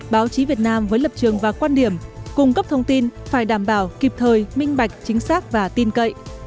báo chí việt nam với lập trường và quan điểm cung cấp thông tin phải đảm bảo kịp thời minh bạch chính xác và tin cậy